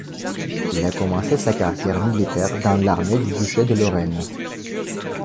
Il a commencé sa carrière militaire dans l'armée du Duché de Lorraine.